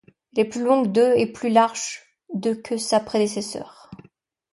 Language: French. Elle est plus longue de et plus large de que sa prédécesseure.